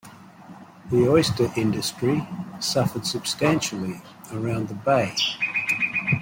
The oyster industry suffered substantially around the bay.